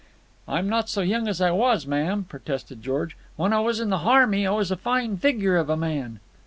"I'm not so young as I was, ma'am," protested George. "When I was in the harmy I was a fine figure of a man."